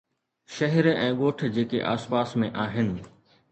شهر ۽ ڳوٺ جيڪي آس پاس ۾ آهن